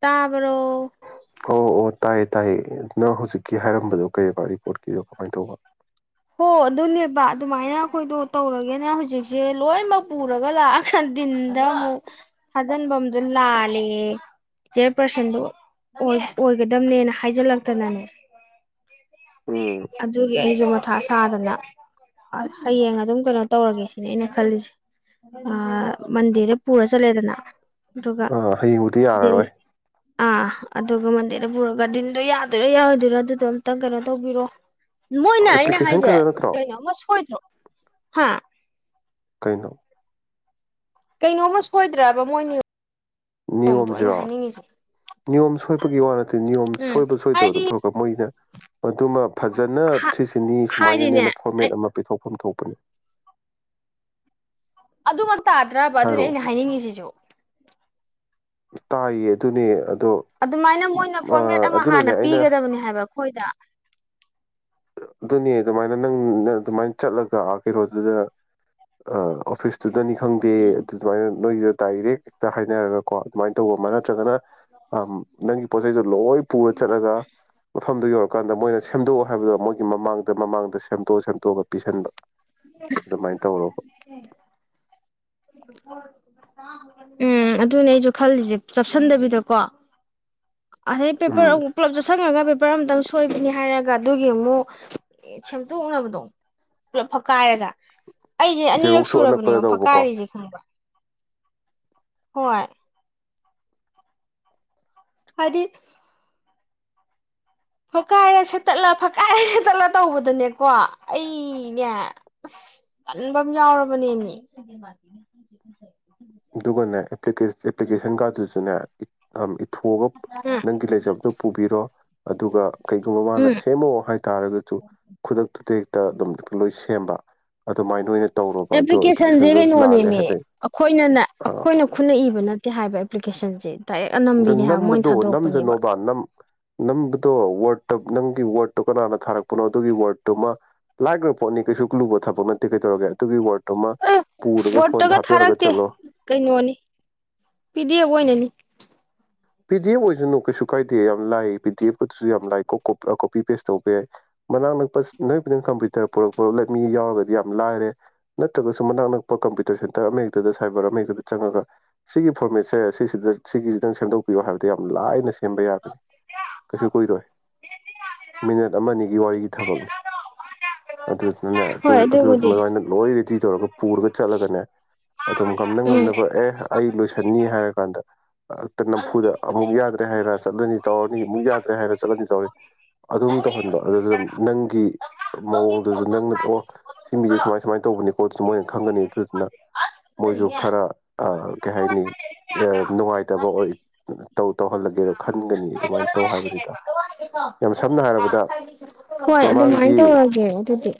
ꯇꯥꯕꯔꯣ ꯑꯣ ꯑꯣ ꯇꯥꯏꯌꯦ ꯇꯥꯏꯌꯦ ꯅꯪ ꯍꯧꯖꯤꯛꯀꯤ ꯍꯥꯏꯔꯝꯕꯗꯣ ꯀꯩꯕ ꯔꯤꯄꯣꯔꯠꯀꯤꯗꯣ ꯀꯃꯥꯏꯟ ꯇꯧꯕ ꯑꯣ ꯑꯗꯨꯅꯦꯕ ꯑꯗꯨꯃꯥꯏꯅ ꯑꯩꯈꯣꯏꯗꯣ ꯇꯧꯔꯒꯦꯅ ꯍꯧꯖꯤꯛꯁꯦ ꯂꯣꯏꯅꯃꯛ ꯄꯨꯔꯒ ꯂꯥꯛꯑꯒ ꯗꯤꯟꯗ ꯑꯃꯨꯛ ꯊꯥꯖꯤꯟꯐꯝꯗꯣ ꯂꯥꯜꯂꯦ ꯆꯤꯌꯔ ꯄꯔꯁꯟꯗꯣ ꯑꯣꯏ ꯑꯣꯏꯒꯗꯝꯕꯅꯦꯅ ꯍꯥꯏꯖꯤꯜꯂꯛꯇꯅꯅꯦ ꯎꯝ ꯑꯗꯨꯒꯤ ꯑꯩꯁꯨ ꯑꯊ ꯁꯥꯗꯅ ꯍꯌꯦꯡ ꯑꯗꯨꯝ ꯀꯩꯅꯣ ꯇꯧꯔꯒꯦ ꯁꯤꯅꯦ ꯑꯩꯅ ꯈꯜꯂꯤꯁꯦ ꯑꯥ ꯃꯟꯗꯦꯗ ꯄꯨꯔ ꯆꯠꯂꯦꯗꯅ ꯑꯗꯨꯒ ꯑꯥ ꯍꯌꯦꯡꯕꯨꯗꯤ ꯗꯤꯟ ꯌꯥꯔꯔꯣꯏ ꯑꯥ ꯑꯗꯨꯒ ꯃꯟꯗꯦꯗ ꯄꯨꯔꯒ ꯗꯤꯟꯗꯣ ꯌꯥꯗꯣꯏꯔꯥ ꯌꯥꯔꯣꯏꯗꯣꯏꯔ ꯑꯗꯨꯗꯣ ꯑꯝꯇ ꯀꯩꯅꯣ ꯇꯧꯕꯤꯔꯣ ꯃꯣꯏꯅ ꯑꯩꯅ ꯑꯦꯄ꯭ꯂꯤꯀꯦꯁꯟ ꯁꯦ ꯈꯛꯇ ꯅꯠꯇ꯭ꯔꯣ ꯀꯩꯅꯣ ꯑꯃ ꯁꯣꯏꯗ꯭ꯔꯣ ꯍꯥ ꯑ ꯀꯩꯅꯣ ꯀꯩꯅꯣꯝꯃ ꯁꯣꯏꯗ꯭ꯔꯕ ꯃꯣꯏꯅꯤ ꯅꯤꯌꯣꯝ ꯖꯤꯔꯣ ꯅꯤꯌꯣꯝ ꯁꯣꯏ ꯕꯒꯤ ꯋꯥ ꯅꯤꯌꯣꯝ ꯎꯝ ꯁꯣꯏꯕ ꯁꯣꯏꯗꯕꯗꯣ ꯍꯥꯏꯗꯤ ꯇꯣꯛꯈ꯭ꯔꯣ ꯃꯣꯏꯅ ꯑꯗꯨꯃ ꯐꯖꯅ ꯁꯤꯁꯤꯅꯤ ꯍꯥꯏꯗꯤꯅꯦ ꯁꯨꯃꯥꯏꯅꯅꯦꯅ ꯑꯩ ꯐꯣꯔꯃꯦꯠ ꯑꯃ ꯄꯤꯊꯣꯛꯐꯝ ꯊꯣꯛ ꯑꯗꯨꯃꯛ ꯇꯥꯗ꯭ꯔꯕ ꯑꯗꯨꯅꯤ ꯍꯥꯏꯔꯛꯑꯣ ꯑꯩꯅ ꯍꯥꯏꯅꯤꯡꯉꯤꯁꯤꯁꯨ ꯇꯥꯏꯌꯦ ꯑꯗꯨꯅꯦ ꯑꯗꯣ ꯑꯗꯨꯃꯥꯏꯅ ꯃꯣꯏꯅ ꯑ ꯐꯣꯔꯃꯦꯠ ꯑꯃ ꯑꯗꯨꯅꯅꯦ ꯍꯥꯟꯅ ꯑꯩꯅ ꯄꯤꯒꯗꯕꯅꯤ ꯍꯥꯏꯕ ꯑꯈꯣꯏꯗ ꯑꯗꯨꯅꯦ ꯑꯗꯨꯃꯥꯏꯅ ꯅꯪꯅ ꯑꯗꯨꯃꯥꯏꯅ ꯆꯠꯂꯒ ꯑꯥ ꯀꯩꯅꯣꯗꯨꯗ ꯑꯣꯐꯤꯁꯇ ꯇꯅꯤ ꯈꯪꯗꯦ ꯑꯗꯨ ꯑꯗꯨꯃꯥꯏꯅ ꯅꯣꯏꯒꯤ ꯗꯥꯏꯔꯦꯛ ꯍꯦꯛꯇ ꯍꯥꯏꯅꯔꯒꯀꯣ ꯑꯗꯨꯃꯥꯏꯅ ꯇꯧꯕ ꯑꯃ ꯅꯠꯇ꯭ꯔꯒꯅ ꯑꯝ ꯅꯪ ꯄꯣꯠ ꯆꯩ ꯂꯣꯏ ꯄꯨꯔ ꯆꯠꯂꯒ ꯃꯐꯝꯗꯨ ꯌꯧꯔ ꯀꯥꯟꯗ ꯃꯣꯏ ꯁꯦꯝꯗꯣꯛꯑꯣ ꯍꯥꯏꯕꯗꯣ ꯃꯣꯏ ꯃꯥꯡꯗ ꯃꯃꯥꯡꯗ ꯁꯦꯝꯇꯣꯛ ꯁꯦꯝꯇꯣꯛꯑꯒ ꯄꯤꯁꯟꯕ ꯑꯗꯨꯃꯥꯏꯅ ꯇꯧꯔꯕ ꯎꯝ ꯑꯗꯨꯅꯦ ꯑꯩꯁꯨ ꯈꯜꯂꯤꯁꯦ ꯆꯞꯁꯤꯟꯗꯕꯤꯗꯀꯣ ꯑꯗꯩ ꯎꯝ ꯄꯦꯄꯔ ꯑꯃꯨꯛ ꯄꯨꯂꯞ ꯆꯞꯁꯟꯒ꯭ꯔꯒ ꯄꯦ ꯄꯔ ꯑꯝꯇꯪ ꯁꯣꯏꯕꯅꯤ ꯍꯥꯏꯔꯒ ꯑꯗꯨꯒꯤ ꯑꯃꯨꯛ ꯁꯦꯝꯗꯣꯛꯅꯕꯗꯣ ꯄꯨꯂꯞ ꯐꯀꯥꯏꯔꯒ ꯑꯩꯁꯦ ꯑꯅꯤꯔꯛ ꯖꯦꯔꯣꯛꯁꯨ ꯑꯅꯛꯄꯗ ꯁꯨꯔꯕꯅꯦꯕ ꯇꯧꯕꯀꯣ ꯐꯛꯀꯥꯏꯔꯤꯁꯦ ꯈꯪꯕ꯭ꯔꯥ ꯍꯣꯏ ꯍꯥꯏꯗꯤ ꯐꯛꯀꯥꯏꯔ ꯁꯦꯠꯇꯠꯂ ꯐꯀꯥꯏꯔ ꯁꯦꯠꯇꯠꯂ ꯇꯧꯕꯗꯅꯦꯀꯣ ꯑꯩꯅꯦ ꯑꯁ ꯇꯟꯕꯝ ꯌꯥꯎꯔꯕꯅꯦꯃꯤ ꯑꯗꯨꯒꯅꯦ ꯑꯦꯄ꯭ꯂꯤꯀꯦꯁꯟ ꯀꯥꯔꯗꯨꯁꯨꯅꯦ ꯑꯝ ꯊꯣꯛꯑꯒ ꯎꯝ ꯅꯪꯒꯤ ꯂꯩꯖꯕꯗꯣ ꯄꯨꯕꯤꯔꯣ ꯑꯗꯨꯒ ꯀꯩꯒꯨꯝꯕ ꯃꯥꯅ ꯎꯝ ꯁꯦꯝꯃꯣ ꯍꯥꯏꯇꯥꯔꯒꯁꯨ ꯈꯨꯗꯛꯇꯨꯗ ꯍꯦꯛꯇ ꯑꯗꯨꯝ ꯂꯣꯏ ꯁꯦꯝꯕ ꯑꯗꯨꯃꯥꯏꯅ ꯑꯣꯏꯅ ꯇꯧꯔꯣꯕ ꯑꯗꯣ ꯑꯦꯄ꯭ꯂꯤꯀꯦꯁꯟꯗꯨꯁꯨ ꯂꯥꯜꯂꯦ ꯍꯥꯏꯕꯩ [unintelligible] ꯑꯥ ꯑꯈꯣꯏꯅ ꯈꯨꯠꯅ ꯏꯕ ꯅꯠꯇꯦ ꯍꯥꯏꯕ ꯑꯦꯄ꯭ꯂꯤꯀꯦꯁꯟꯁꯦ ꯗꯥꯏꯔꯦꯛ ꯑꯗ ꯑꯅꯝꯕꯤꯅꯦ ꯍꯥꯏꯕ ꯃꯣꯏꯅ ꯅꯝꯕꯗꯣ ꯊꯥꯗꯣꯔꯛꯄꯅꯦꯕ ꯅꯝꯖꯅꯣꯕ ꯅꯝ ꯅꯝꯕꯗꯣ ꯋꯥꯔꯗꯠꯇ ꯅꯪꯒꯤ ꯋꯥꯔꯗꯠꯇꯣ ꯀꯅꯥꯅ ꯊꯥꯔꯛꯄꯅꯣ ꯑꯗꯨꯒꯤ ꯋꯥꯔꯗꯠꯇꯨꯃ ꯂꯥꯏꯈ꯭ꯔꯕ ꯄꯣꯠꯅꯤ ꯀꯩꯁꯨ ꯂꯨꯕ ꯊꯕꯛ ꯅꯠꯇꯦ ꯀꯩꯗꯧꯔꯒꯦ ꯑꯗꯨꯒꯤ ꯋꯥꯋꯔꯗ ꯄꯨꯔꯒ ꯐꯣꯟꯗ ꯍꯥꯞꯆꯜꯂꯒ ꯅꯠꯇꯦ ꯆꯠꯂꯣ ꯀꯩꯅꯣꯅꯤ ꯄꯤꯗꯤ ꯑꯦꯐ ꯑꯣꯏꯅꯅꯤ ꯄꯤ ꯗꯤ ꯑꯦꯐ ꯑꯣꯏꯖꯅꯨ ꯀꯩꯁꯨ ꯀꯥꯏꯗꯦ ꯌꯥꯝ ꯂꯥꯏ ꯄꯤ ꯗꯤ ꯑꯦꯐꯀꯗꯨꯁꯨ ꯌꯥꯝ ꯂꯥꯏ ꯀꯣꯄꯤ ꯄꯦꯁ ꯇꯧꯕ ꯌꯥꯏ ꯃꯅꯥꯛ ꯅꯛꯄ ꯅꯣꯏꯕꯨ ꯅꯪ ꯀꯝꯄ꯭ꯌꯨꯇꯔ ꯄꯨꯔꯛꯄ ꯃꯤ ꯌꯥꯎꯔꯒꯗꯤ ꯌꯥꯝ ꯂꯥꯏꯔꯦ ꯅꯠꯇ꯭ꯔꯒꯁꯨ ꯃꯅꯥꯛ ꯅꯛꯄ ꯀꯝꯄ꯭ꯌꯨꯇꯔ ꯁꯦꯟꯇꯔ ꯑꯃꯍꯦꯛꯇꯗ ꯁꯥꯏꯕꯔ ꯑꯃ ꯍꯦꯛꯇꯗ ꯆꯪꯉꯒ ꯁꯤꯒꯤ ꯐꯣꯔꯃꯦꯠꯁꯦ ꯁꯤꯁꯤꯗ ꯁꯤꯒꯤꯁꯤ ꯅꯪ ꯁꯦꯝꯗꯣꯛ ꯄꯤꯌꯣ ꯍꯥꯏꯕꯗꯤ ꯌꯥꯝ ꯂꯥꯏꯅ ꯁꯦꯝꯕ ꯌꯥꯒꯅꯤ ꯀꯩꯁꯨ ꯀꯨꯏꯔꯣꯏ ꯃꯤꯅꯦ ꯑꯃꯅꯤ ꯑꯒꯤ ꯋꯥꯔꯤꯒꯤ ꯊꯕꯛꯅꯤ ꯑ ꯍꯣꯏ ꯑꯗꯨꯕꯨꯗꯤ ꯑꯗꯨꯩꯅ ꯂꯣꯏ ꯐꯤ ꯇꯧꯔꯒ ꯄꯨꯔꯒ ꯆꯠꯂꯒꯅꯦ ꯑꯗꯨꯝ ꯉꯝꯅ ꯎꯝ ꯉꯝꯅꯕ ꯑꯦ ꯑꯩ ꯂꯣꯏꯁꯟꯅꯤ ꯍꯥꯏꯔ ꯀꯥꯟꯗꯇ ꯆꯝꯐꯨꯗ ꯑꯃꯨꯛ ꯌꯥꯗ꯭ꯔꯦ ꯍꯥꯏꯔ ꯆꯠꯂꯅꯤ ꯇꯧꯔꯅꯤ ꯑꯃꯨꯛ ꯌꯥꯗ꯭ꯔꯦ ꯍꯥꯏꯔ ꯆꯠꯂꯅꯤ ꯇꯧꯔꯅꯤ ꯑꯗꯨꯝ ꯇꯧꯍꯟꯕ ꯑꯗꯨꯗꯨꯅ ꯅꯪꯒꯤ ꯃꯑꯣꯡꯗꯨꯁꯨ ꯅꯪꯅ ꯑꯣ ꯁꯤ ꯃꯤꯁꯦ ꯁꯨꯃꯥꯏ ꯁꯨꯃꯥꯏꯅ ꯇꯧꯕꯅꯤ ꯈꯣꯠꯇꯨꯁꯨ ꯃꯣꯏꯅ ꯈꯪꯒꯅꯤ ꯑꯗꯨꯗꯨꯅ ꯃꯣꯏꯁꯨ ꯈꯔ ꯀꯩ ꯍꯥꯏꯅꯤ ꯅꯨꯡꯉꯥꯏꯇꯕ ꯑꯣꯏꯔ ꯇꯧ ꯇꯧꯍꯜꯂꯒꯦꯗ ꯈꯟꯒꯅꯤ ꯑꯗꯨꯃꯥꯏꯅ ꯇꯧ ꯍꯥꯏꯕꯅꯤꯗ ꯌꯥꯝ ꯁꯝꯅ ꯍꯥꯏꯔꯕꯗ ꯍꯣꯏ ꯑꯗꯨꯃꯥꯏꯅ ꯃꯃꯥꯡꯒꯤ ꯇꯧꯔꯒꯦ ꯑꯗꯨꯗꯤ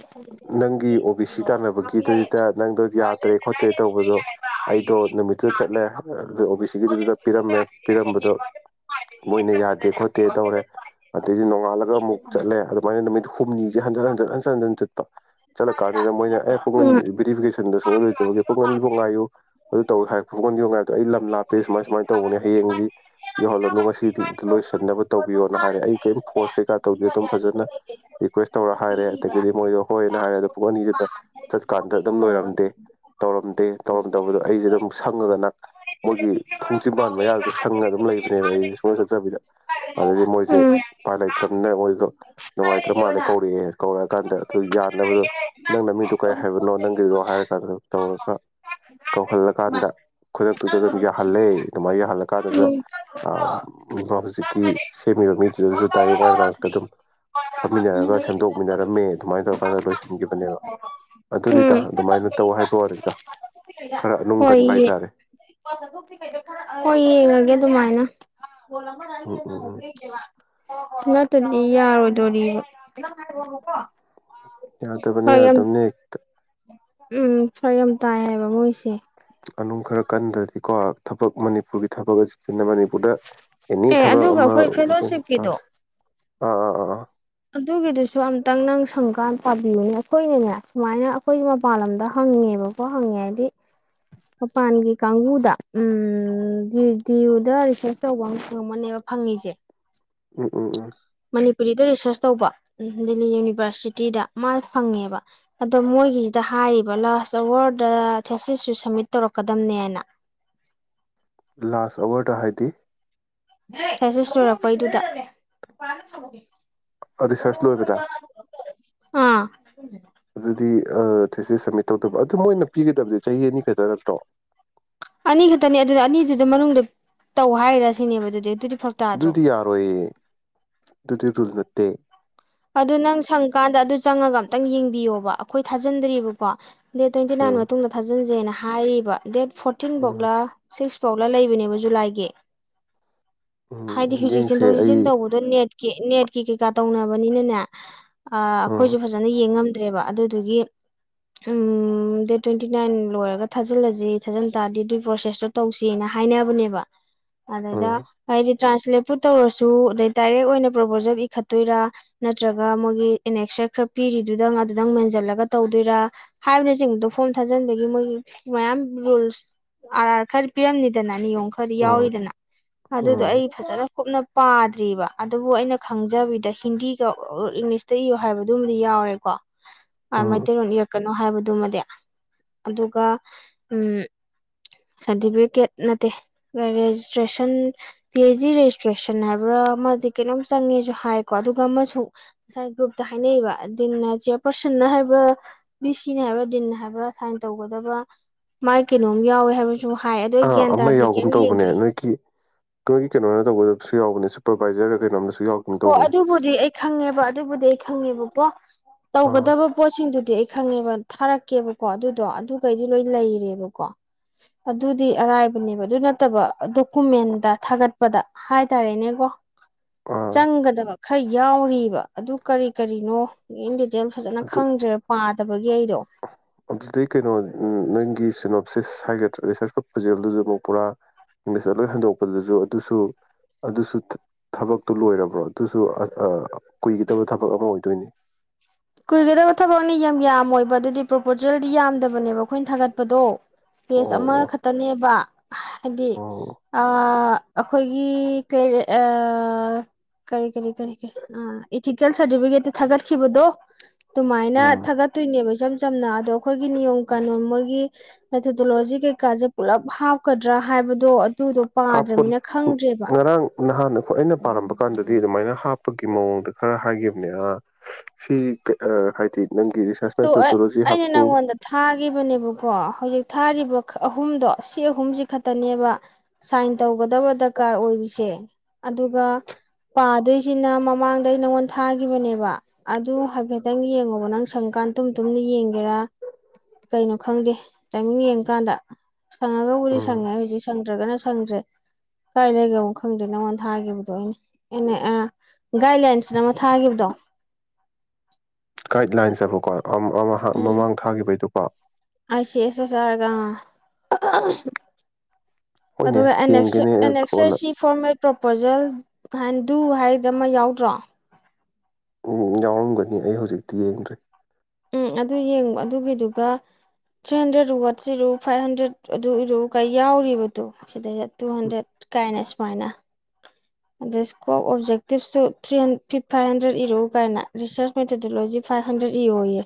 ꯦꯁꯤ ꯆꯥꯟꯅꯕꯒꯤꯗꯨꯗ ꯅꯪꯗꯣ ꯇꯔꯦ ꯈꯣꯠꯇ꯭ꯔꯦ ꯇꯧꯕꯗꯣ ꯑꯩꯗꯣ ꯅꯨꯃꯤꯠꯇꯨꯗ ꯆꯠꯂꯦ ꯑꯗꯨ ꯑꯣ ꯕꯤ ꯁꯤꯒꯤꯗꯨꯗ ꯄꯤꯔꯝꯃꯦ ꯄꯤꯔꯝꯕꯗꯣ ꯃꯣꯏꯅ ꯌꯥꯗꯦ ꯈꯣꯠꯇꯦ ꯇꯧꯔꯦ ꯑꯗꯩꯗꯤ ꯅꯣꯡꯉꯥꯜꯂꯒ ꯑꯃꯨꯛ ꯆꯠꯂꯦ ꯑꯗꯨꯃꯥꯏꯅ ꯅꯨꯃꯤꯠ ꯍꯨꯝꯅꯤꯁꯦ ꯍꯟꯖꯟ ꯍꯟꯖꯟ ꯍꯟꯖꯤꯟ ꯍꯟꯖꯤꯟ ꯆꯠꯄ ꯆꯠꯂꯀꯥꯟꯁꯤꯗ ꯃꯣꯏꯅ ꯑꯦ ꯄꯨꯡꯒꯟ ꯎꯝ ꯕ꯭ꯨꯔꯤꯐꯤꯀꯦꯁꯟꯗ ꯁꯣꯛꯑꯣꯜꯔꯣꯏꯗꯕꯒꯤ ꯄꯨꯡꯒꯟꯐꯥꯎ ꯉꯥꯏꯌꯨ ꯑꯗꯨ ꯇꯧ ꯍꯥꯏꯔꯛ ꯄꯨꯡꯒꯟꯒꯤꯐ ꯉꯥꯏꯕꯗꯣ ꯑꯩ ꯂꯝ ꯂꯥꯞꯄꯦ ꯁꯨꯃꯥꯏ ꯁꯨꯃꯥꯏꯅ ꯇꯧꯕꯅꯦ ꯍꯌꯦꯡꯗꯤ ꯌꯧꯍꯜꯂꯅꯨ ꯉꯁꯤ ꯂꯣꯏꯁꯤꯟꯅꯕ ꯇꯧꯕꯤꯌꯣꯅ ꯍꯥꯏꯔꯦ ꯑꯩ ꯀꯔꯤꯝ ꯐꯣꯔꯁ ꯀꯩꯀꯥ ꯇꯧꯗꯦ ꯑꯗꯨꯝ ꯐꯖꯅ ꯔꯤꯀ꯭ꯋꯦꯁ ꯇꯧꯔ ꯍꯥꯏꯔꯦ ꯑꯗꯒꯤꯗꯤ ꯃꯣꯏꯗꯣ ꯍꯣꯏꯅ ꯍꯥꯏꯔꯦ ꯑꯗꯣ ꯄꯨꯡ ꯑꯅꯤꯁꯤꯗ ꯆꯠꯀꯥꯟꯗ ꯑꯗꯨꯝ ꯂꯣꯏꯔꯝꯗꯦ ꯇꯧꯔꯝꯗꯦ ꯇꯧꯔꯝꯗꯕꯗꯣ ꯑꯩꯁꯦ ꯑꯗꯨꯝ ꯁꯪꯉꯒ ꯅ ꯃꯣꯏꯒꯤ ꯊꯣꯡꯖꯤꯤꯟꯝꯕꯥꯟ ꯃꯌꯥꯗꯨꯗ ꯁꯪꯉ ꯑꯗꯨꯝ ꯂꯩꯕꯅꯦꯕ ꯑꯩꯁꯦ ꯁꯨꯝꯣꯗ ꯆꯠꯆꯕꯤꯗ ꯑꯗꯨꯗꯩꯗꯤ ꯃꯣꯏꯁꯦ ꯎꯝ ꯎ ꯄꯥꯏ ꯂꯩꯇ꯭ꯔꯕꯅꯤꯅ ꯃꯣꯏꯗꯣ ꯅꯨꯡꯉꯥꯏꯇ꯭ꯔ ꯃꯥꯜꯂꯦ ꯀꯧꯔꯛꯑꯦ ꯀꯧꯔꯛꯑꯀꯥꯟꯗ ꯑꯗꯨ ꯌꯥꯅꯕꯗꯣ ꯅꯪꯅ ꯃꯤꯗꯨꯣ ꯀꯔꯤ ꯍꯥꯏꯕꯅꯣ ꯅꯪꯒꯤꯗꯨꯗꯣ ꯍꯥꯏꯔ ꯀꯥꯟꯗ ꯇꯧꯔꯒ ꯀꯧꯍꯜꯂꯀꯥꯟꯗ ꯈꯨꯗꯛꯇꯨꯗ ꯑꯗꯨꯝ ꯌꯥꯍꯜꯂꯦ ꯑꯗꯨꯃꯥꯏ ꯌꯥꯍꯜꯂꯀꯥꯟꯗꯨꯗ ꯎꯝ ꯍꯧꯖꯤꯛꯀꯤ ꯁꯦꯝꯃꯤꯕ ꯃꯤꯗꯨꯗꯁꯨ ꯗꯥꯏꯔꯦꯛ ꯃ ꯉꯇ ꯑꯗꯨꯝ ꯐꯝꯃꯤꯟꯅꯔꯒ ꯁꯦꯝꯗꯣꯛꯃꯤꯟꯅꯔꯝꯃꯦ ꯑꯗꯨꯃꯥꯏꯅ ꯇꯧꯔꯀꯥꯟꯗ ꯂꯣꯏꯁꯤꯟꯈꯤꯕꯅꯦꯕ ꯑꯗꯨꯅꯤꯗ ꯎꯝ ꯑꯗꯨꯃꯥꯏꯅ ꯇꯧ ꯍꯥꯏꯕ ꯋꯥꯦꯅꯤꯗ ꯈꯔ ꯅꯨꯡ ꯍꯣꯏ ꯀꯟꯕ ꯍꯥꯏꯇꯥꯔꯦ ꯍꯣꯏ ꯌꯦꯡꯉꯒꯦ ꯑꯗꯨꯃꯥꯏꯅ ꯎꯝ ꯎꯝ ꯎꯝ ꯅꯪꯗꯦꯂ ꯅꯠꯇꯗꯤ ꯌꯥꯔꯣꯏꯗꯣꯔꯤ ꯌꯥ ꯇꯕ ꯌꯥ ꯇꯅꯤ ꯎꯝ ꯐꯔ ꯌꯥꯝ ꯇꯥꯏ ꯍꯥꯏꯕ ꯃꯣꯏꯁꯦ ꯑꯗꯨ ꯈꯔ ꯀꯟꯗ꯭ꯔꯗꯤꯀꯣ ꯊꯕꯛ ꯃꯅꯤꯄꯨꯔꯒꯤ ꯊꯕꯛ ꯑꯁꯤꯁꯤꯅꯅꯤ ꯄꯨꯗ ꯑꯦꯅꯤ ꯑꯦ ꯊꯕꯛ ꯑꯗꯨꯒ ꯑꯃ ꯑꯩꯈꯣꯏ ꯐꯦꯂꯣꯁꯤꯞꯀꯤꯗꯣ ꯇꯧꯅꯁ ꯑꯥ ꯑ ꯑ ꯑꯗꯨꯒꯤꯗꯨꯁꯨ ꯑꯝꯇꯪ ꯅꯪ ꯁꯪꯀꯥꯟ ꯄꯥꯕꯤꯌꯨꯅꯦ ꯑꯩꯈꯣꯏꯅꯅꯦ ꯁꯨꯃꯥꯏꯅ ꯑꯩꯈꯣꯏ ꯃꯄꯥꯟ ꯂꯝꯗ ꯍꯪꯉꯦꯕꯀꯣ ꯍꯪꯉꯦ ꯍꯥꯏꯗꯤ ꯃꯄꯥꯟꯒꯤ ꯀꯥꯡꯕꯨꯗ ꯎ ꯗꯤꯌꯨꯗ ꯔꯤꯁꯦꯞ ꯇꯧꯕ ꯑꯃ ꯐꯪꯕꯅꯦꯕ ꯐꯪꯉꯤꯁꯦ ꯎꯝ ꯎꯝ ꯎꯝ ꯃꯅꯤꯄꯨꯔꯤꯗ ꯔꯤꯁꯔꯁ ꯇꯧꯕ ꯗꯦꯜꯂꯤ ꯌꯨꯅꯤꯚꯔꯁꯤꯇꯤꯗ ꯃꯥ ꯐꯪꯉꯦꯕ ꯑꯗꯣ ꯃꯣꯏꯒꯤꯁꯤꯗ ꯍꯥꯏꯔꯤꯕ ꯂꯥꯁ ꯑꯋꯥꯔꯗ ꯊꯦꯁꯤꯁꯨ ꯁꯝꯃꯤꯠ ꯇꯧꯔꯛꯀꯗꯝꯅꯦꯅ ꯂꯥꯁ ꯑꯋꯥꯇ ꯍꯥꯏꯗꯤ ꯀꯁꯦꯁ ꯂꯔꯛꯄ ꯑꯩꯗꯨꯗ ꯑꯗꯨ ꯔꯦꯁꯔꯁ ꯂꯣꯏꯕꯗ ꯑꯥ ꯑꯗꯨꯗꯤ ꯊꯁꯦ ꯁꯕꯃꯤꯠ ꯇꯧꯗꯕ ꯑꯗꯨ ꯃꯣꯏꯅ ꯄꯤꯒꯗꯕꯗꯤꯦ ꯆꯍꯤ ꯑꯅꯤ ꯈꯛꯇ ꯅꯠꯇ꯭ꯔꯣ ꯑꯅꯤ ꯈꯛꯇꯅꯤ ꯑꯗꯨꯅ ꯑꯅꯤꯗꯨꯗ ꯃꯅꯨꯡꯗ ꯇꯧ ꯍꯥꯏꯔ ꯁꯤꯅꯦꯕ ꯑꯗꯨꯗꯤ ꯑꯗꯨꯗꯤ ꯐꯔꯛ ꯇꯥꯗ꯭ꯔꯣ ꯑꯗꯨꯗꯤ ꯌꯥꯔꯣꯏꯌꯦ ꯑꯗꯨꯗꯤ ꯆꯨꯔꯅꯠꯇꯦ ꯑꯗꯨ ꯅꯪ ꯁꯪꯀꯥꯟꯗ ꯑꯗꯨ ꯆꯪꯉꯒ ꯑꯝꯇꯪ ꯌꯦꯡꯕꯤꯌꯣꯕ ꯑꯩꯈꯣꯏ ꯊꯥꯖꯟꯗ꯭ꯦꯕꯀꯣ ꯗꯦꯠ ꯇ꯭ꯋꯦꯟꯇꯤ ꯅꯥꯏꯟ ꯎꯝ ꯃꯇꯨꯡꯗ ꯊꯥꯖꯤꯟꯖꯦꯅ ꯍꯥꯏꯔꯤꯕ ꯗꯦꯠ ꯐꯣꯔꯇꯤꯟ ꯎꯝ ꯕꯣꯛꯂꯥ ꯁꯤꯛꯁ ꯁꯣꯛꯂ ꯂꯩꯕꯅꯦꯕ ꯖꯨꯂꯥꯏꯒꯤ ꯍꯥꯏꯗꯤ ꯎꯝ ꯍꯧꯖꯤꯛ ꯌꯦꯡꯁꯦ ꯆꯦꯟꯊꯣꯛ ꯆꯦꯟꯁꯤꯟ ꯑꯩ ꯇꯧꯕꯗꯣ ꯅ ꯅꯦꯠꯀꯤ ꯀꯩ ꯀꯥ ꯇꯧꯅ ꯃꯅꯤꯅꯅꯦ ꯎꯝ ꯑꯩꯈꯣꯏꯁꯨ ꯐꯖꯅ ꯌꯦꯡꯉꯝ ꯐꯠꯇ꯭ꯔꯦꯕ ꯑꯗꯨꯗꯨꯒꯤ ꯎꯝ ꯗꯦꯠ ꯇ꯭ꯋꯦꯟꯇꯤ ꯅꯥꯏꯟ ꯂꯣꯏꯔꯒ ꯊꯥꯖꯤꯜꯂꯁꯤ ꯊꯥꯖꯤꯟ ꯇꯥꯔꯗꯤ ꯑꯗꯨꯏ ꯄ꯭ꯔꯣꯁꯦꯁꯇꯣ ꯇꯧꯁꯅ ꯍꯥꯏꯅꯕꯅꯦꯕ ꯎꯝ ꯑꯗꯦꯗ ꯀ ꯇ꯭ꯔꯥꯟꯁꯂꯦꯠꯄꯨ ꯇꯧꯔꯁꯨ ꯑꯗꯩ ꯗꯥꯏꯔꯦꯛ ꯑꯣꯏꯅ ꯄ꯭ꯔꯄꯣꯖꯦꯜ ꯏꯈꯠꯇꯣꯏꯔꯥ ꯅꯠꯇ꯭ꯔꯒ ꯃꯣꯏꯒꯤ ꯏꯅꯦꯛꯁꯔ ꯈꯔ ꯄꯤꯔꯤꯗꯨꯗꯪ ꯑꯗꯨꯗꯪ ꯃꯦꯟꯁꯤꯜꯂꯒ ꯇꯧꯗꯣꯏꯔꯥ ꯍꯥꯏꯕꯅꯆꯤꯡꯕꯗꯣ ꯐꯣꯝ ꯊꯥꯖꯤꯟꯕꯒꯤ ꯃꯣꯏꯒꯤ ꯃꯌꯥꯝ ꯔꯨꯜꯁ ꯑꯥꯔ ꯑꯥꯔ ꯈꯔ ꯄꯤꯔꯝꯅꯤꯗꯅ ꯅꯤꯌꯣꯝ ꯈꯔꯗꯤ ꯎꯝ ꯌꯥꯎꯔꯤꯗꯅ ꯑꯗꯨꯗꯣ ꯎꯝ ꯑꯩ ꯐꯖꯅ ꯀꯨꯞꯅ ꯄꯥꯗ꯭ꯔꯤꯕꯔꯤꯕ ꯑꯗꯨꯕꯨ ꯑꯩꯅ ꯈꯪꯖꯕꯤꯗ ꯍꯤꯟꯗꯤꯒ ꯏꯪꯂꯤꯁꯇ ꯏꯌꯣ ꯍꯥꯏꯕꯗꯨꯃꯗꯤ ꯌꯥꯎꯔꯦꯀꯣ ꯑ ꯃ ꯎꯝ ꯇꯔꯅꯤ ꯌ ꯀ [unintelligible] ꯀꯣ ꯑꯗꯨꯒ ꯑꯃꯁꯨ ꯉꯁꯥꯏ ꯒ꯭ꯔꯨꯞꯇ ꯍꯥꯏꯅꯩꯕ ꯗꯤꯟꯅ ꯆꯤꯌꯔ ꯄꯔꯁꯟꯅ ꯍꯥꯏꯕ꯭ꯔꯥ ꯕꯤ ꯁꯤꯅ ꯍꯥꯏꯕ꯭ꯔꯥ ꯗꯤꯟꯅ ꯍꯥꯏꯕ꯭ꯔꯥ ꯁꯥꯏꯟ ꯇꯧꯒꯗꯕ ꯃꯥꯥꯏ ꯀꯩꯅꯣꯝ ꯌꯥꯎꯋꯦ ꯍꯥꯏꯕꯁꯨ ꯍꯥꯏ ꯑꯗꯣ ꯑꯩ ꯑꯥ ꯒ꯭ꯌꯥꯟ ꯑꯃ ꯇꯥꯗ꯭ꯔꯤ ꯌꯥꯎꯒꯨꯝ ꯀꯩꯝ ꯇꯧꯕꯅꯦ ꯌꯦꯡꯗ꯭ꯔꯤ ꯅꯣꯏꯒꯤ ꯅꯈꯣꯏꯒꯤ ꯀꯩꯅꯣꯅ ꯇꯧꯗꯕꯁꯨ ꯌꯥꯎꯕꯅꯦ ꯁꯨꯄꯔꯕꯥꯏꯖꯔꯒ ꯀꯩꯅꯣꯝ ꯍꯣ ꯑꯗꯨꯕꯨꯗꯤ ꯑꯩ ꯈꯪꯉꯦꯕ ꯑꯗꯨꯕꯨꯗꯤ ꯑꯩ ꯈꯪꯉꯦꯕ ꯑ [unintelligible] ꯑꯥ ꯇꯧꯒꯗꯕ ꯄꯣꯁꯤꯟꯗꯨꯗꯤ ꯐꯪꯉꯦꯕ ꯊꯥꯔꯛꯀꯦꯕꯀꯣ ꯑꯗꯨꯗꯣ ꯑꯗꯨꯈꯩꯗꯤ ꯂꯣꯏ ꯂꯩꯔꯦꯕꯀꯣ ꯑꯗꯨꯗꯤ ꯑꯔꯥꯏꯕꯅꯦꯕ ꯑꯗꯨ ꯅꯠꯇꯕ ꯗꯣꯀꯨꯃꯦꯟꯗ ꯊꯥꯒꯠꯄꯗ ꯍꯥꯏꯇꯥꯔꯦꯅꯦꯀꯣ ꯑꯥ ꯆꯪꯒꯗꯕ ꯈꯔ ꯌꯥꯎꯔꯤꯕ ꯑꯗꯨ ꯀꯔꯤ ꯀꯔꯤꯅꯣ ꯌꯦꯗꯤ ꯊꯦꯜ ꯐꯖꯅ ꯈꯪꯗ꯭ꯔꯦ ꯄꯥꯠ [unintelligible] ꯑꯗꯨꯗꯤ ꯀꯩꯅꯣ ꯅꯪꯒꯤ ꯁꯤꯅꯣ ꯍꯥꯏꯗ꯭ꯔꯥ ꯔꯤꯁꯔꯁ ꯄ꯭ꯔꯄꯣꯖꯦꯜꯗꯨꯁꯨ ꯑꯃꯨꯛ ꯄꯨꯔꯥ ꯏꯪꯂꯤꯁꯇ ꯂꯣꯏ ꯍꯟꯗꯣꯛꯄꯗꯨꯁꯨ ꯑꯗꯨꯁꯨ ꯑꯗꯨꯁꯨ ꯊꯕꯛꯇꯨ ꯂꯣꯏꯔꯕ꯭ꯔꯣ ꯑꯗꯨꯁꯨ ꯀꯨꯏꯒꯗꯕ ꯊꯕꯛ ꯑꯃ ꯑꯣꯏꯗꯣꯏꯅꯤ ꯀꯨꯏꯒꯗꯕ ꯊꯕꯛꯅꯤ ꯌꯥꯝ ꯌꯥꯝꯃꯣꯏꯕ ꯑꯗꯨꯗꯤ ꯄ꯭ꯔꯣꯄꯣꯖꯦꯜꯗꯤ ꯌꯥꯝꯗꯕꯅꯦꯕ ꯑꯩꯈꯣꯏꯅ ꯊꯥꯒꯠꯄꯗꯣ ꯀꯦꯁ ꯑꯣ ꯑꯃꯈꯛꯇꯅꯦꯕ ꯍꯥꯏꯗꯤ ꯑꯣ ꯑ ꯑꯩꯈꯣꯏꯒꯤ ꯀꯔꯤ ꯀꯔꯤ ꯀꯔꯤ ꯀ ꯏꯊꯤꯀꯦꯜ ꯁꯥꯔꯇꯤꯐꯤꯀꯦꯠꯇ ꯊꯥꯒꯠꯈꯤꯕꯗꯣ ꯑꯗꯨꯃꯥꯏꯅ ꯎꯝ ꯊꯥꯒꯠꯇꯣꯏꯅꯦꯕ ꯁꯝ ꯆꯝꯅ ꯑꯗꯣ ꯑꯩꯈꯣꯏꯒꯤ ꯅꯤꯌꯣꯝ ꯀꯥꯅꯣ ꯑꯃꯒꯤ ꯄꯦꯊꯦꯗꯣꯂꯣꯖꯤ ꯀꯩ ꯀꯥꯖꯦ ꯄꯨꯂꯞ ꯍꯥꯞ ꯀꯗ꯭ꯔꯥ ꯍꯥꯏꯕꯗꯣ ꯑꯗꯨꯗꯣ ꯍꯥꯄ ꯄꯥꯗ꯭ꯔꯕꯅꯤꯅ ꯈꯪꯗ꯭ꯔꯦꯕ ꯉꯔꯥꯡ ꯅꯍꯅ ꯍ ꯑꯩꯅ ꯄꯥꯔꯝꯕ ꯀꯥꯟꯗꯗꯤ ꯑꯗꯨꯃꯥꯏꯅ ꯍꯥꯞꯄꯒꯤ ꯃꯑꯣꯡꯗ ꯈꯔ ꯍꯥꯏꯈꯤꯕꯅꯦ ꯑ ꯁꯤ ꯍꯥꯏꯗꯤ ꯅꯪꯒꯤ ꯔꯤꯁꯔꯁ ꯃꯦꯊꯣꯗꯣꯂꯣꯖꯤ ꯑꯩꯅ ꯍꯥꯞꯄꯨ ꯅꯪꯉꯣꯟꯗ ꯊꯥꯒꯤꯈꯤꯕꯅꯦꯕꯀꯣ ꯍꯧꯖꯤꯛꯇ ꯊꯥꯔꯤꯕ ꯑꯍꯨꯝꯗꯣ ꯁꯤ ꯑꯍꯨꯝꯁꯤ ꯈꯛꯇꯅꯦꯕ ꯁꯥꯏꯟ ꯇꯧꯒꯗꯕ ꯗꯔꯀꯥꯔ ꯑꯣꯏꯔꯤꯁꯦ ꯑꯗꯨꯒ ꯄꯥꯗꯣꯏꯁꯤꯅ ꯃꯃꯥꯡꯗꯩ ꯅꯪꯉꯣꯟ ꯊꯥꯈꯤꯕꯅꯦꯕ ꯑꯗꯨ ꯍꯥꯏꯐꯦꯠꯇꯪ ꯌꯦꯡꯉꯣꯕ ꯅꯪ ꯁꯪ ꯀꯥꯟ ꯇꯨꯝ ꯇꯨꯝꯅ ꯌꯦꯡꯒꯦꯔꯥ ꯀꯩꯅꯣ ꯈꯪꯗꯦ ꯇꯥꯏꯃꯤꯡ ꯌꯦꯡ ꯀꯥꯟꯗ ꯁꯥꯡꯒꯣ ꯋꯥꯔꯤꯔꯤ ꯁ ꯎꯝ ꯍꯧꯖꯤ ꯁ ꯐꯠꯇ꯭ꯔꯒꯅ ꯁꯪꯗ꯭ꯔꯦ ꯀꯥꯏ ꯂꯩꯒꯣ ꯈꯪꯗꯦ ꯅꯪꯉꯣꯟꯗ ꯊꯥꯈꯤꯕꯗꯣ ꯑꯩꯅ ꯑꯦꯅꯦ ꯑꯦ ꯒꯥꯏꯗꯂꯥꯏꯟꯁꯅ ꯑꯃ ꯊꯥꯈꯤꯕꯗꯣ [inaudible] ꯥꯏꯗꯂꯥꯏꯟꯁꯕ ꯀꯣ ꯃꯃꯥꯡ ꯊꯥꯈꯤꯕꯩꯗꯣ ꯑꯁꯤꯦ ꯑꯁꯦ ꯆꯔꯒ ꯍꯣꯏꯅꯦ ꯑꯗꯨꯒꯁ ꯌꯦꯡꯒꯦꯅꯦ ꯑꯩ ꯀꯣꯟꯅ ꯑꯦꯅꯦꯛꯁꯔꯁꯤ ꯐꯣꯔꯃꯦꯦꯠ ꯄ꯭ꯔꯣꯄꯣꯖꯦꯜ ꯍꯟꯗꯨ ꯍꯥꯏꯗ ꯑꯃ ꯌꯥꯎꯗ꯭ꯔꯣ ꯌꯥꯎꯔꯝꯒꯅꯤ ꯑꯩ ꯍꯧꯖꯤꯛꯇꯤ ꯌꯦꯡꯗ꯭ꯔꯦ ꯎꯝ ꯑꯗꯨ ꯌꯦꯡꯕ ꯑꯗꯨꯒꯤꯗꯨꯒ ꯊ꯭ꯔꯤ ꯍꯟꯗ꯭ꯔꯦꯠ ꯋꯥꯗꯁ ꯏꯔꯨ ꯐꯥꯏꯚ ꯍꯟꯗ꯭ꯔꯦꯗ ꯑꯗꯨ ꯏꯔꯨ ꯀꯥꯏ ꯌꯥꯎꯔꯤꯕꯗꯣ ꯁꯤꯗꯩ ꯇꯨ ꯍꯟꯗ꯭ꯔꯦꯠ ꯀꯥꯏꯅ ꯁꯨꯃꯥꯏꯅ ꯑꯗꯩ ꯏꯁꯀꯣꯞ ꯑꯣꯞꯖꯦꯛꯇꯤꯞꯁꯨ ꯊ꯭ꯔꯤ ꯐꯤ ꯐꯥꯏꯚ ꯍꯟꯗ꯭ꯔꯦꯠ ꯏꯔꯛꯎ ꯀꯥꯏꯅ ꯔꯤꯁꯔꯁ ꯃꯦꯊꯗꯣꯂꯣꯖꯤ ꯐꯥꯏꯚ ꯍꯟꯗ꯭ꯔꯦꯠ ꯏꯔꯣꯌꯦ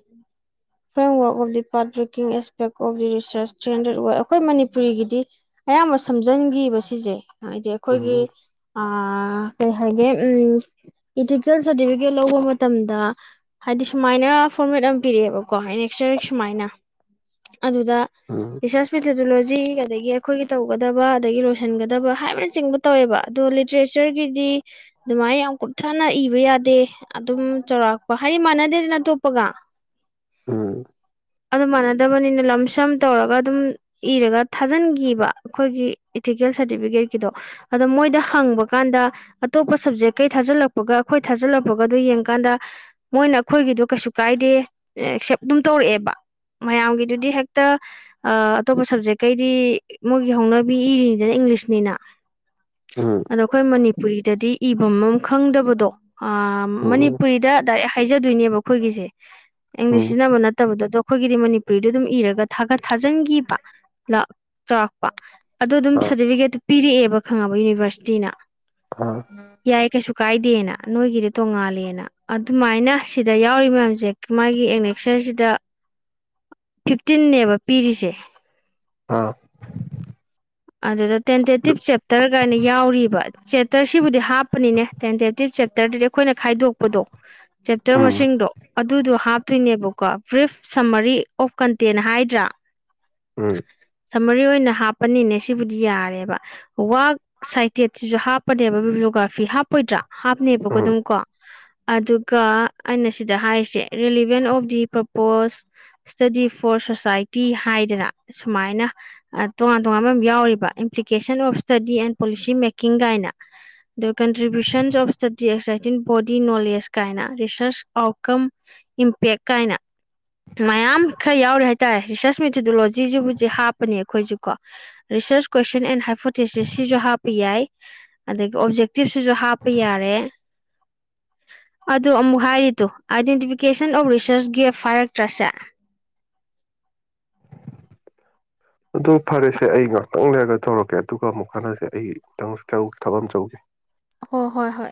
framework of the part backing aspect of the research three hundred ꯑꯣꯏ ꯑꯩꯈꯣꯏ ꯃꯅꯤꯄꯨꯔꯤꯒꯤꯗꯤ ꯑꯌꯥꯝꯕ ꯁꯝꯖꯟꯈꯤꯕ ꯁꯤꯁꯦ ꯍꯥꯏꯗꯤ ꯑꯩꯈꯣꯏꯒꯤ ꯎꯝ ꯀꯩ ꯍꯥꯏꯒꯦ ꯎ ꯏꯇꯤꯀꯦꯜ ꯁꯥꯔꯇꯤꯐꯤꯀꯦꯠ ꯂꯧꯕ ꯃꯇꯝꯗ ꯍꯥꯏꯗꯤ ꯁꯨꯃꯥꯏꯅ ꯐꯣꯔꯃꯦꯠ ꯑꯃ ꯄꯤꯔꯛꯑꯦꯕꯀꯣ ꯑꯦꯅꯦꯛꯁꯇꯔ ꯁꯨꯃꯥꯏꯅ ꯎꯝ ꯑꯗꯨꯗꯁꯁ ꯖꯂꯣꯖꯤ ꯑꯗꯒꯤ ꯑꯩꯈꯣꯏꯒꯤ ꯇꯧꯒꯗꯕ ꯑꯗꯒꯤ ꯂꯣꯏꯁꯤꯟꯒꯗꯕ ꯍꯥꯏꯕꯅꯆꯤꯡꯕ ꯇꯧꯋꯦꯕ ꯑꯗꯣ ꯇ꯭ꯔꯦꯆꯔꯒꯤꯗꯤ ꯑꯗꯨꯃꯥꯏꯅ ꯌꯥꯝ ꯀꯨꯞꯊꯅ ꯏꯕ ꯌꯥꯗꯦ ꯑꯗꯨꯝ ꯆꯥꯎꯧꯔꯥꯛꯄ ꯍꯥꯏꯗꯤ ꯃꯥꯟꯅꯗꯦꯗꯅ ꯑꯇꯣꯞꯄꯒ ꯑꯝ ꯑꯗꯨ ꯃꯥꯟꯅꯗꯕꯅꯤꯅ ꯂꯝ ꯁꯝ ꯇꯧꯔꯒ ꯑꯗꯨꯝ ꯏꯔꯒ ꯊꯥꯖꯤꯟꯈꯤꯕ ꯑꯩꯈꯣꯏꯒꯤ ꯏꯇꯤꯀꯦꯜ ꯁꯥꯔꯇꯤꯐꯤꯀꯦꯠꯀꯤꯗꯣ ꯑꯗꯣ ꯃꯣꯏꯗ ꯍꯪꯕ ꯀꯥꯟꯗ ꯑꯇꯣꯞꯄ ꯁꯞꯖꯦꯛꯀꯩ ꯊꯥꯖꯤꯜꯂꯛꯄꯒ ꯑꯩꯈꯣꯏ ꯊꯥꯖꯤꯜꯂꯛꯄꯒꯗꯣ ꯌꯦꯡꯀꯥꯟꯗ ꯃꯣꯏꯅ ꯑꯩꯈꯣꯏꯒꯤꯗꯣ ꯀꯩꯁꯨ ꯀꯥꯏꯗꯦ ꯑꯦꯛꯁꯦꯞ ꯑꯗꯨꯝ ꯇꯧꯔꯛꯑꯦꯕ ꯃꯌꯥꯝꯒꯤꯗꯨꯗꯤ ꯍꯦꯛꯇ ꯑꯇꯣꯞꯄ ꯁꯕꯖꯦꯛꯀꯩꯗꯤ ꯃꯣꯏꯒꯤ ꯍꯧꯅꯕꯤ ꯏꯔꯤꯅꯤꯗꯅ ꯏꯪꯂꯤꯁꯅꯤꯅ ꯎꯝ ꯑꯗꯣ ꯑꯩꯈꯣꯏ ꯃꯅꯤꯄꯨꯔꯤꯗꯗꯤ ꯏꯐꯝꯝ ꯈꯪꯗꯕꯗꯣ ꯎꯝ ꯃꯅꯤꯄꯨꯔꯤꯗ ꯗꯥꯏꯔꯦꯛ ꯍꯥꯏꯖꯗꯣꯏꯅꯦꯕ ꯑꯩꯈꯣꯏꯒꯤꯁꯦ ꯎꯝ ꯏꯪꯂꯤꯁꯁꯤꯅ ꯃꯅ ꯐꯠꯇꯕꯗꯗꯣ ꯑꯩꯈꯣꯏꯒꯤꯗꯤ ꯃꯅꯤꯄꯨꯔꯤꯗ ꯑꯗꯨꯝ ꯏꯔꯒꯥꯒꯠ ꯊꯥꯖꯤꯟꯈꯤꯕ ꯆꯥꯎꯔꯥꯛꯄ ꯑꯗꯨ ꯑꯗꯨꯝ ꯑꯥ ꯁꯔꯇꯤꯐꯤꯀꯦꯠ ꯄꯤꯔꯛꯑꯦꯕ ꯈꯪꯉꯕ ꯌꯨꯅꯤꯚꯔꯁꯤꯇꯤꯅ ꯑꯥ ꯌꯥꯏ ꯀꯩꯁꯨ ꯀꯥꯏꯗꯦꯅ ꯅꯣꯏꯒꯤꯗꯤ ꯇꯣꯡꯉꯥꯜꯂꯦꯅ ꯑꯗꯨꯃꯥꯏꯅ ꯁꯤꯗ ꯌꯥꯎꯔꯤ ꯃꯌꯥꯝꯁꯦ ꯃꯥꯒꯤ ꯑꯦꯛꯅꯦꯛꯁꯔꯁꯤꯗ ꯐꯤꯐꯇꯤꯟꯅꯦꯕ ꯄꯤꯔꯤꯁꯦ ꯑꯥ ꯑꯗꯨꯗ ꯑꯗꯨ ꯇꯦꯟꯇꯦꯇꯤꯞ ꯆꯦꯞꯇꯔꯒꯥꯏꯅ ꯌꯥꯎꯔꯤꯕ ꯆꯦꯞꯇꯔ ꯁꯤꯕꯨꯗꯤ ꯍꯥꯞꯄꯅꯤꯅꯦ ꯇꯦꯟꯇꯦꯇꯤꯞ ꯆꯦꯞꯇꯔꯗꯨꯗꯤ ꯑꯩꯈꯣꯏꯅ ꯈꯥꯏꯗꯣꯛꯄꯗꯣ ꯆꯦꯞꯇꯔ ꯎꯝ ꯃꯁꯤꯡꯗꯣ ꯑꯗꯨꯗꯣ ꯍꯥꯞꯇꯣꯏꯅꯦꯕꯀꯣ ꯕ꯭ꯔꯤꯐ ꯁꯝꯃꯔꯤ ꯑꯣꯐ ꯀꯟꯇꯦꯟ ꯍꯥꯏꯗ꯭ꯔꯥ ꯎꯝ ꯁꯝꯃꯔꯤ ꯑꯣꯏꯅ ꯍꯥꯞꯄꯅꯤꯅꯦ ꯁꯤꯕꯨꯗꯤ ꯌꯥꯔꯦꯕ ꯋꯛ ꯁꯥꯏꯇꯦꯠꯁꯤꯁꯨ ꯍꯥꯞꯄꯅꯦꯕ ꯚꯤꯕꯤꯣꯒ꯭ꯔꯥꯐꯤ ꯍꯥꯞꯄꯣꯏꯗ꯭ꯔꯥ ꯍꯥꯞꯅꯦꯕꯀꯣ ꯎꯝ ꯑꯗꯨꯝ ꯀꯣ ꯑꯗꯨꯒ ꯑꯩꯅ ꯁꯤꯗ ꯍꯥꯏꯔꯤꯁꯦ relevance of the purpose study for society ꯍꯥꯏꯗꯅ ꯁꯨꯃꯥꯏꯅ ꯇꯣꯉꯥꯟ ꯇꯣꯉꯥꯟꯕ ꯌꯥꯎꯔꯤꯕ implication of study in policy making ꯀꯥꯏꯅ ꯑꯗ contributions of study existing body knowledge ꯀꯥꯏꯅ ꯔꯤꯁꯔꯁ ꯑꯥꯎꯠꯀꯝ ꯏꯝꯄꯦꯛ ꯀꯥꯏꯅ ꯃꯌꯥꯝ ꯈꯔ ꯌꯥꯎꯔꯤꯦ ꯍꯥꯏꯇꯥꯔꯦ ꯔꯤꯁꯔꯁ ꯃꯦꯊꯗꯣꯂꯣꯖꯤꯁꯤ ꯍꯧꯖꯤꯛ ꯍꯥꯞꯄꯅꯦ ꯑꯩꯈꯣꯏꯁꯨꯀꯣ ꯔꯤꯁꯔꯁ ꯀꯣꯏꯁꯟ ꯑꯦꯟ ꯍꯥꯏꯐꯣꯇꯤꯁꯤꯁ ꯁꯤꯁꯨ ꯍꯥꯞꯄ ꯌꯥꯏ ꯑꯗꯒꯤ ꯑꯣꯞꯖꯦꯛꯇꯤꯞꯁꯤꯁꯨ ꯍꯥꯞꯄ ꯌꯥꯔꯦ ꯑ ꯑꯃꯨꯛ ꯍꯥꯏꯔꯤꯗꯨꯣ ꯑꯥꯏꯗꯦꯟꯇꯤꯐꯤꯀꯦꯁꯟ ꯑꯣꯐ ꯔꯤꯁꯔꯁ ꯒꯦꯞ ꯍꯥꯏꯔꯛꯇ꯭ꯔꯁꯦ ꯑꯗꯨ ꯐꯔꯦꯁꯦ ꯑꯩ ꯉꯥꯛꯇꯪ ꯂꯩꯔꯒ ꯇꯧꯔꯛꯀꯦ ꯑꯗꯨꯒ ꯑꯃꯨꯛ ꯍꯟꯅꯁꯦ ꯑꯩ ꯇꯪꯈꯤ ꯊꯕꯛ ꯑꯃ ꯆꯧꯒꯦ ꯍ ꯍꯣꯏ ꯍꯣꯏ